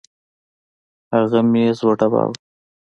هغه ميز وډباوه.